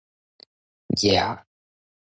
抑